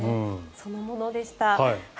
そのものでした。